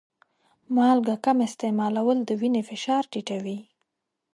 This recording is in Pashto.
مالګه کم استعمالول د وینې فشار ټیټوي.